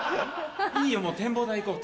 いいよもう展望台行こう。